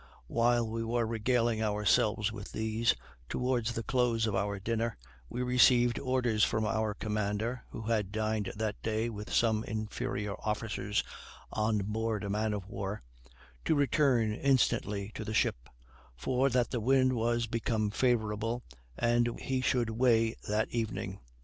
While we were regaling ourselves with these, towards the close of our dinner, we received orders from our commander, who had dined that day with some inferior officers on board a man of war, to return instantly to the ship; for that the wind was become favorable and he should weigh that evening.